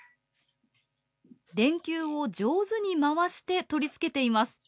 電球を上手に回して取り付けています。